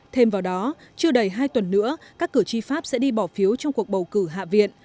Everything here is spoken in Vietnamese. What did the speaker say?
thêm vào đó chưa đầy hai tuần nữa các cử tri pháp sẽ đi bỏ phiếu trong cuộc bầu cử hạ viện